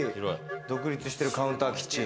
独立してるカウンターキッチン。